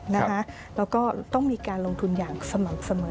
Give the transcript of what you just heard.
แล้วก็ต้องมีการลงทุนอย่างสม่ำเสมอ